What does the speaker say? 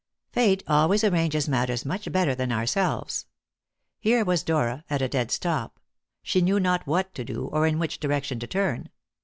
Fate always arranges matters much better than ourselves. Here was Dora at a dead stop; she knew not what to do, or in which direction to turn.